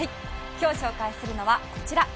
今日紹介するのはこちら。